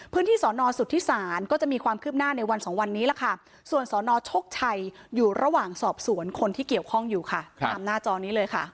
สอนอสุทธิศาลก็จะมีความคืบหน้าในวันสองวันนี้ล่ะค่ะส่วนสนชกชัยอยู่ระหว่างสอบสวนคนที่เกี่ยวข้องอยู่ค่ะตามหน้าจอนี้เลยค่ะ